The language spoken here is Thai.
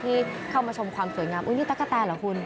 ที่เข้ามาชมความสวยงามอุ้ยนี่ตะกะแตนเหรอคุณ